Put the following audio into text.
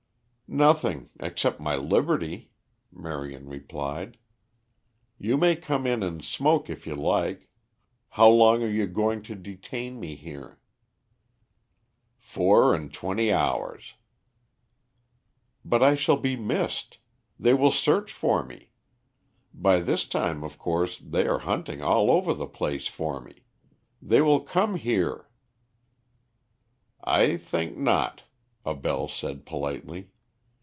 "Nothing, except my liberty," Marion replied. "You may come in and smoke if you like. How long are you going to detain me here?" "Four and twenty hours." "But I shall be missed. They will search for me. By this time, of course, they are hunting all over the place for me. They will come here " "I think not," Abell said politely.